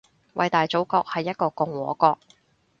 偉大祖國係一個共和國